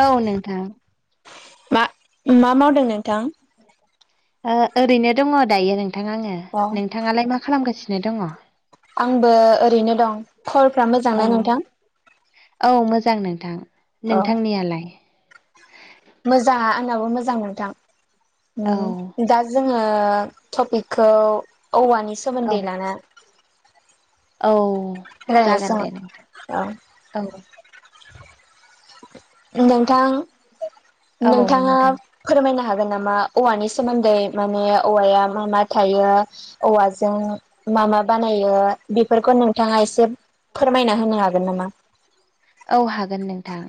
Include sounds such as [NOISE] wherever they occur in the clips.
औ नोंथां मा मा मावदों नोंथां ओ ओरैनो दंङो दायो नोंथां आंङो अ नोंथांङालाय मा खालामगासिनो दंङो आंबो ओरैनो दं खबरफ्रा औ मोजांना नोंथां औ मोजां नोंथां नोंथांनियालाय मोजांआ आंनाबो मोजां औ नोंथां दा जोंङो टपिकखौ औवानि औ सोमोन्दै लाना औ रायलायनोसै जागोन दे नोंथां औ औ नोंथां औ नोंथांङा नोंथां फोरमायनो हागोन नामा औवानि सोमोन्दै माने औवाया मा मा थायो। औवाजों मा मा बानायो बेफोरखौ नोंथांङा एसे फोरमायना होनो हागोन नामा? औ हागोन नोंथां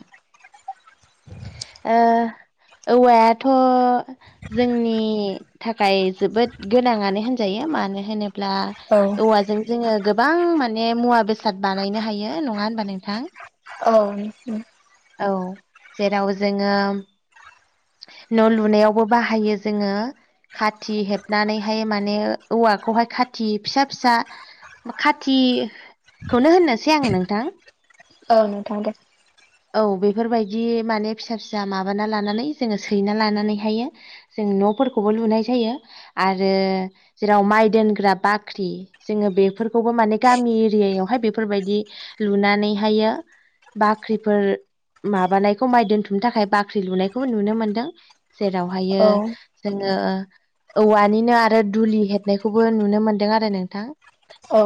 ओ औवायाथ' जोंनि थाखाय जोबोद गोनांआनो होनजायो मानो होनोब्ला औ औवाजों जोंङो गोबां माने मुवा बेसाद बानायनो हायो नंङा होनबा नोंथां औ औ जेराव जोंङो न' लुनायावबो बाहायो जोंङो खाथि हेबनानैहाय माने औवाखौहाय खाथि फिसा फिसा खाथिखौनो होननोसै आंङो नोंथां औ नोंथां दे औ बेफोरबायदि माने फिसा फिसा माबाना लानानै जोंङो सैना लानानैहायो जों न'फोरखौबो लुनाय जायो आरो जेराव माइ दोनग्रा बाख्रि जोङो बेफोरखौबो माने गामि एरियावहाय बेफोरबायदि लुनानैहायो बाख्रिफोर माबानायखौ माइ दोनथुमनो थाखाय बाख्रि लुनायखौबो नुनो मोनदों। जेरावहायो औ जोंङो औवानिनो आरो दुलि हेबनायखौबो नुनो मोनदों आरो नोंथां औ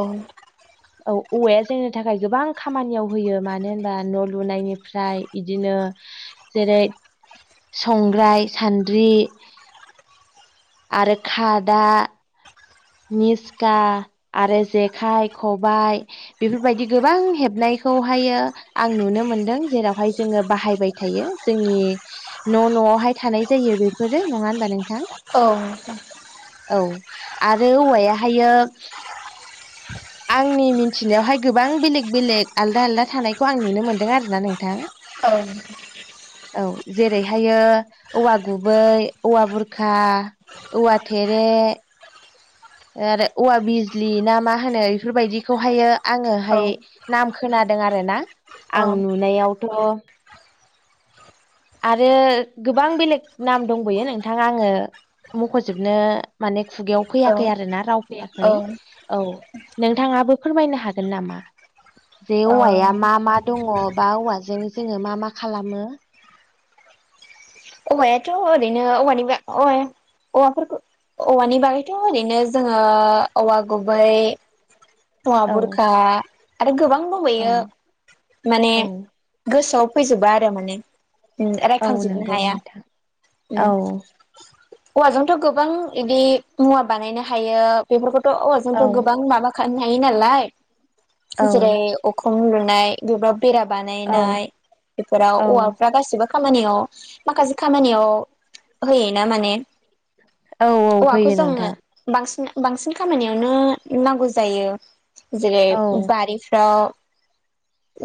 औ औवाया जोंनि थाखाय गोबां खामानियाव होयो मानो होनबा ना लुनायनिफ्राय बिदिनो जेरै संग्राय सान्द्रि आरो खादा निस्खा आरो जेखाइ खबाय बेफोरबायदि गोबां हेबनायखौहायो आं नुनो मोनदों जेरावहाय जोंङो बाहायबाय थायो जोंनि न' न'आवहाय थानाय जायो बेफोरो नंङा होनबा नोंथां औ औ आरो औवा हाय हायो आंनि मिन्थिनायावहाय गोबां बेलेग बेलेग आलदा आलदा थानायखौ आं नुनो मोनदों। दों आरोना नोंथां औ औ जेरै हायो औवा गुबै औवा बुरखा औवा थेरे आरो औवा बिजलि ना मा होनो बेफोरबायदिखौहायो आंङो औ हाय नाम खोनादों आरो ना औ आं नुनायावथ' [INAUDIBLE] आरो गोबां बेलेग नाम दंबोयो नोंथां आंङो मख'जोबनो माने खुगायाव [UNINTELLIGIBLE] आरोना राव फैयाखै औ नोंथाङाबो फोरमायनो हागोन नामा जे औवाया मा मा दंङ बा औवाजों जोंङो मा मा खालामो औवायाथ' ओरैनो औवानि औवाफोरखौ औवानि बागैथ' ओरैनो जोङो औवा गुबै औवा औ बुरखा आरो गोबां औ दबोैयो माने औ गोसोआव फैजोबा आरो माने औ रायखांजोबनो नंगौ हाया नोंथां औ औवाजोंथ' गोबां इदि मुवा बानायनो हायो बेफोरखौथ' औ औवाजोंथ' गोबां माबाखानो हायो नालाय औ जेरै अखुम लुनाय बेफोराव बेरा औ बानायनाय बेफोराव औ औवाफ्रा गासिबो खामानियाव माखासे खामानियाव होयोना माने औ औवाखौ होयो जोंनो नोंथां बांसिन बांसिन खामानियावनो नांगौ जायो जेरै औ बारिफ्राव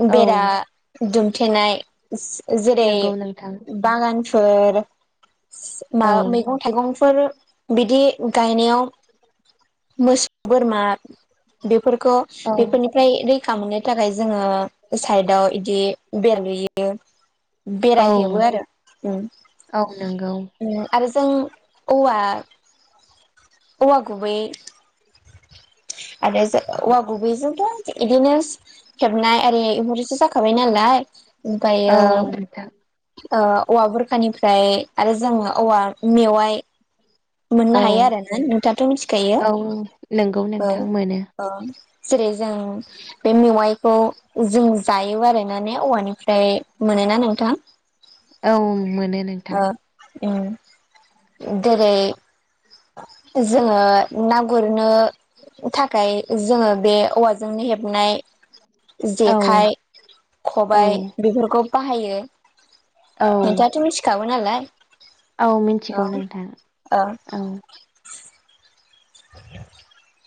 औ बेरा दुमथेनाय जेरै नंगौ नोंथां बागानफोर मा औ मैगं थाइगंफोर बिदि गायनायाव मोसौ बोरमा बेफोरखौ औ बेफोरनि ओम्राय रैखा मोननो थाखाय जोंङो साइदाव इदि बेरलयो औ बेरायहेबो उम औ नंगौ उम आरो जों औवा औवा गुबै आरो औवा गुबैजोंबो इदिनो खेबनाय आरि [UNINTELLIGIBLE] जाखाबाय नालाय औ ओमफायो औ नोंथां ओ औवा बुरखानिफ्राय आरो जोंङो औवा मेवाइ मोननो औ हायो आरो ना नोंथांङाथ' मिथिखायो औ नंगौ औ नोंथां मोनो ओं जेरै जों बे मेवाइखौ जों जायो आरोना ने औवानिफ्राय मोनोना नोंथां औ मोनो नोंथां ओ उम जेरै जोङो ना गुरनो थाखाय जोङो बे औवाजोंनो हेबनाय औ जेखाइ औ खबाय बेफोरखौ बाहायो औ नोंथांङाथ' मिथिखागौ नालाय औ मिथिगौ नोंथां औ [INAUDIBLE]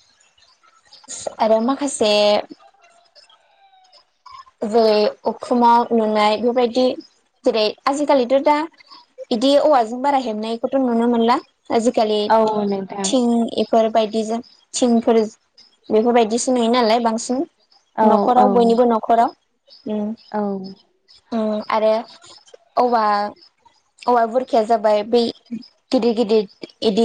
आरो माखासे जेरै अखुमाव नुनाय बेफोरबायदि जेरै आजिखालिथ' दा बिदि औवाजों बारा हेबनायखौथ' नुनो मोनला आजिखालि औ नोंथां थिं बेफोरबायदिजों थिंफोर बेफोरबायदिसो नुयो नालाय बांसिन औ औ न'खराव बयनिबो न'खराव औ आरो औवा औवा बुरखाया जाबाय बै गिदिर गिदिर इदि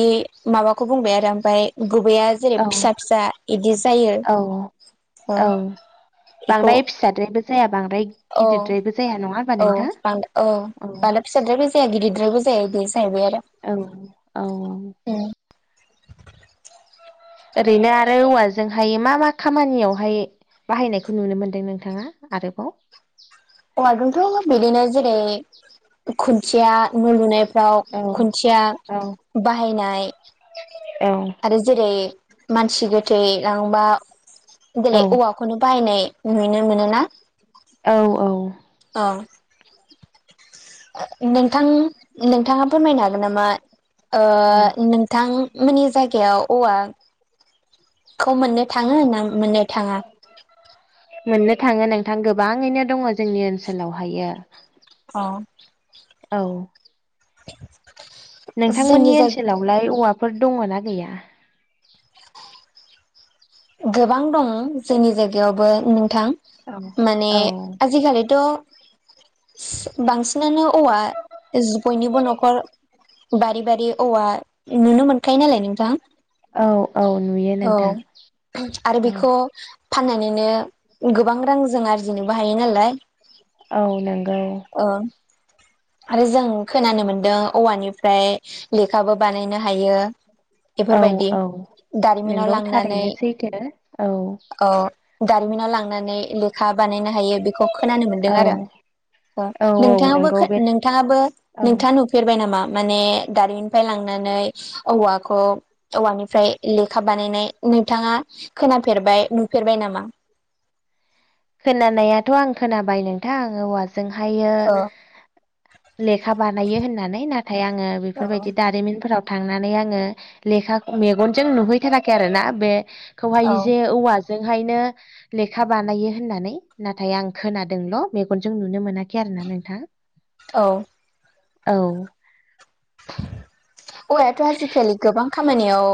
माबाखौ बुंबाय आरो ओमफ्राय गुबैया जेरै औ फिसा फिसा इदि जायो औ बेखौ बांद्राय फिसाद्रायबो जाया बांद्राय गिदिरद्रायबो जाया नङा औ बा नोंथां औ औ बांद्राय फिसाद्रायबो जाया गिदिरद्रायबो जाया बे जाहैबाय आरो औ औ औ औ ओरैनो आरो औवाजोंहाय मा मा खामानियावहाय बाहायनायखौ नुनो मोन्दों नोंथाङा आरोबाव औवाजोंथ' बिदिनो जेरै खुन्थिया न' लुनाय फ्राव औ खुन्थिया औ बाहायनाय औ आरो जेरै मानसि गोथै लाङोबा जेरै औ औवाखौनो बाहायनाय नुनो मोनोना। औ औ औ नोंथां नोंथाङा फोरमायनो हागोन नामा ओ औ नोंथां मोननि जायगायाव औवाखौ मोननो थाङो ना मोननो थाङा? मोननो थाङो नोंथां गोबाङैनो दङ' जोंनि ओनसोलावहायो। औ औ [INAUDIBLE] जोंनि नोंथांमोननि जाय ओनसोलावलाय औवाफोर दङ'ना गैया? गोबां दं जोंनि जायगायावबो नोंथां। औ माने आजिखालिथ' बांसिनानो औवा बयनिबो न'खर बारि बारि औवा नुनो मोनखायो नालाय नोंथां औ औ नुयो औ नोंथां आरो औ बेखौ फाननानैनो गोबां रां जों आरजिनोबो हायो नालाय औ नंगौ ओ आरो जों खोनानो मोनदों औवानिफ्राय लेखाबो बानायनो हायो औ बेफोरबायदि औ दारिमिनाव नंगौ लांनानै थारैनो सैथो औ ओ दारिमिनाव लांनानै लेखा बानायनो हायो बेखौ खोनानो औ मोन्दों आरो औ नोंथाङाब नंगौ बे नोंथाङाबो औ नोंथाङा फेरबाय नामा माने दारिमिननिफ्राय लांनानै औवाखौ। औवानिफ्राय लेखा बानायनाय नोंथाङा खोनाफेरबाय नुफेरबाय नामा? खोनानायाथ' आं खोनाबाय नोंथां आं औवाजोंहायो ओ औ लेखा बानायो होननानै नाथाय आङो औ बेफोरबायदि दारिमिनफोराव थांनानै आङो ओ लेखा ओ मेगनजों नुहैथाराखै आरोना बे औ खौहाय जे औवाजोंहायनो लेखा बानायो। होननानै नाथाय आं खोनादोंल' मेगनजों नुनो मोनाखै आरो ना नोंथां। औ। औ औवायाथ' आजिखालि गोबां खामानियावो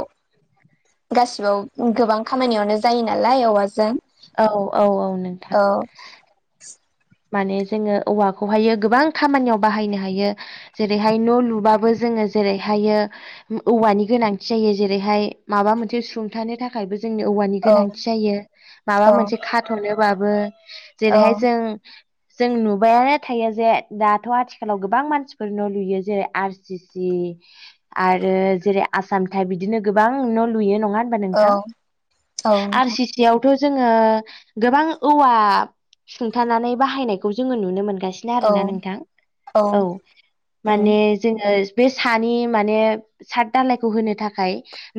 गासिबाव गोबां खामानियावनो जायो नालाय औवाजों। औ औ औ नोंथां। ओ माने जोङो औवाखौहायो गोबां खामानियाव बाहायनो हायो। जेरैहाय न' लुबाबो जोङो जेरैहायो। औवानि गोनांथि जायो जेरैहाय माबा मोनसे सुंथानो थाखायबो जोंनो औवानि औ गोनांथि जायो माबा औ मोनसे खाथ'नोबाबो जेरैहाय औ जों [INAUDIBLE] जों नुबायानो थायो जे दाथ' आथिखालाव गोबां मानसिफोरन' लुयो जेरै आर सि सि आरो जेरै आसामथायाइप बिदिनो गोबां न' लुयो नङा होमबा नोंथां औ औ आर नोंथां सि बेयावथ' जोङो गोबां औवा सुंथानानै ओ बायनायखौ जो नुनो मोनगासिनो औ आरोना नोंथां औ उम माने ओ जोङो बे सानि माने सात दलायखौ होनो थाखाय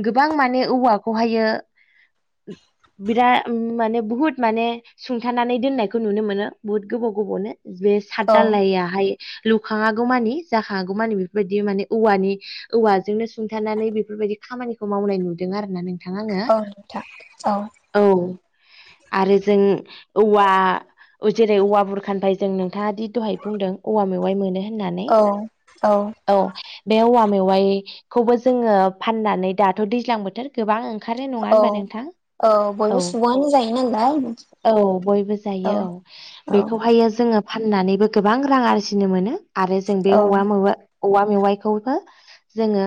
गोबां माने औवाखौहायो बिरा माने बुहुत माने सुंथानानै दोननायखौ नुनो मोनो बुहुत गोबाव गोबावनो बे सात औ दालायाहाय लुखाङागौ मानि जाखाङांगौ मानि बेफोरबायदि माने औवानि औवाजोंनो सुंथानानै बेफोरबायदि खामानिखौ मावनाय नुदों आरो ना नों थां आङो औ नोंथां औ आरो जों औवा जेरै औवा बुरखानिफ्राय जों नोंथाङा दि दहाय बुंदों औवा मेवाइ मोनो होननानै औ औ बे औवा मेवाइखौबो जोङो फाननानै दाथ दैज्लां बोथोर गोबां ओंखारो नङा औ होनबा नोंथां औ औ बयबो सुबुङानो जायो नालाय औ बयबो जायो औ औ बेखौहायो जोङो फाननानैबो गोबां रां आरजिनो मोनो आरो जों बे औ औवा मेवा औवा मेवाइखौबो जोङो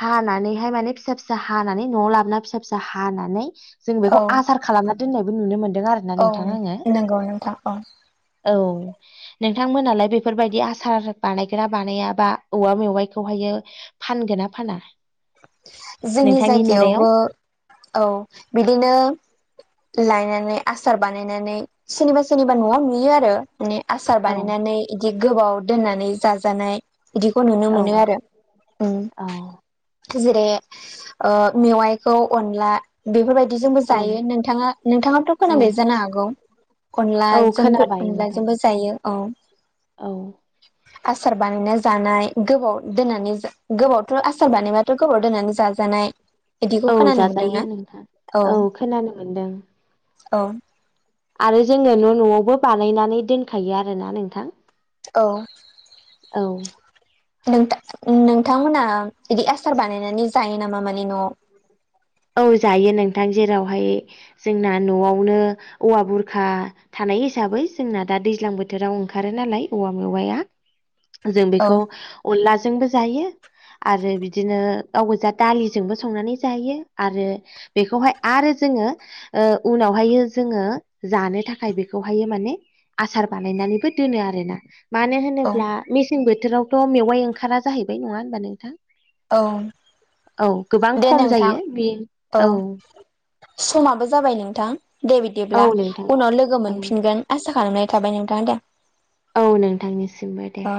हानानैहाय माने फिसा फिसा हानानै न'आव लाबोन फिसा फिसा हानानै जों औ बेखौ आसार खालामना दोननायबो नुनो मोनदों आरो औ नंगौ नोंथां औ औ नोंथांमोनालाय बेफोरबायदि आसार बानायग्रा बानायाबा औवा मेवाइखौहायो फानगोनना फाना जोंनि नोंथांनि नुनायाव जायगायावबो औ बिदिनो लायनानै आसार बानायनानै सोरनिबा सोरनिबा न'आव नुयो आरो माने आसार औ बानायनानै इदि गोबाव दोननानै जाजानाय बिदिखौ नुनो औ मोनो आरो उम औ जेरै ओ मेवाइखौ अनला बेफोरबायदिजोंबो औ जायो नोंथाङा नोंथाङाथ औ खोनाबाय जानो हागौ औ अनलाजोंबो खोनाबाय नोंथां अनलाजोंबो जायो औ औ आसार बानायना जानाय गोबाव दोननानै जा गोबावथ आसार बानायबा थ गोबाव दोननानै जाजानाय इदिखौ औ खोनानो मोनदोंना जाजायो नोंथां औ खोनानो मोनदों औ आरो जोङो न' न'आवबो बानायनानै दोनखायो आरोना नोंथां औ औ नोंथा नोंथांमोनहा इदि आसार बानायनानै जायो नामा माने न'आव औ जायो नोंथां जेरावहाय जोंना न'आवनो औवा बुरखा थानाय हिसाबै जोंना दा दैज्लां बोथोराव ओंखारो नालाय औवा मेवाया जों औ बेखौ अनलाजोंबो जायो आरो बिदिनो गाव गोजा दालिजोंबो संनानै जायो आरो बेखौहाय आरो जोङो ओ उनावहाय जोङो जानो थाखाय बेखौहायो माने आसार बानायनानैबो दोनो आरोना मानो औ होनोब्ला मेसें बोथोरावथ मेवाइ ओंखारा जाहैबाय नङा होनबा नोंथां औ औ गोबां दे खम नोंथां जायो बे औ समाबो जाबाय नोंथां दे औ बिदिब्ला नोंथां उनाव लोगो औ मोनफिनगोन आसा खालामनाय थाबाय नोंथां दे औ नोंथांनिसिमबो दे